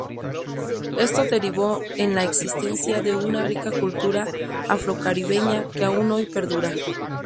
Esto derivó en la existencia de una rica cultura afrocaribeña que aún hoy perdura.